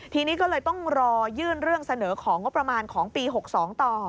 ทีนี้ก็เลยต้องรอยื่นเรื่องเสนอของงบประมาณของปี๖๒ต่อ